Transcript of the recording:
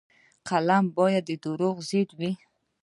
فلم باید د دروغو ضد وي